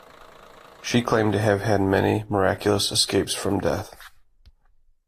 She claimed to have had many miraculous escapes from death.